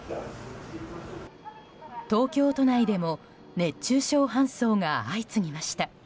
東京都内でも熱中症搬送が相次ぎました。